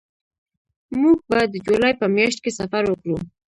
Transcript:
موږ به د جولای په میاشت کې سفر وکړو